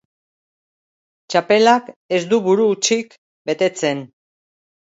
Txapelak ez du buru hutsik betetzen.